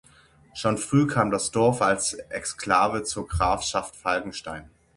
Schon früh kam das Dorf als Exklave zur Grafschaft Falkenstein.